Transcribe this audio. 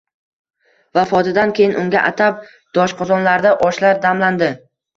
Vafotidan keyin unga “atab” doshqozonlarda oshlar damlandi.